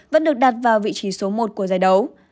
vẫn được đặt vào vị trí số một của giải đấu